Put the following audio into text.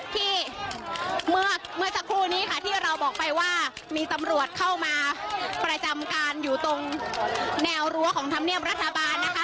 ที่เมื่อสักครู่นี้ค่ะที่เราบอกไปว่ามีตำรวจเข้ามาประจำการอยู่ตรงแนวรั้วของธรรมเนียมรัฐบาลนะคะ